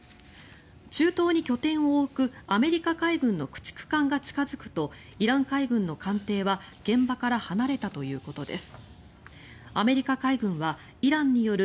中東に拠点を置くアメリカ海軍の駆逐艦が近付くとイラン海軍の艦艇は現場から離れたということです。